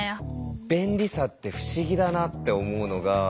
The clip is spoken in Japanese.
便利さって不思議だなって思うのがああ。